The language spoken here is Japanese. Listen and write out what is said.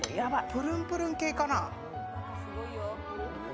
プルンプルン系かな。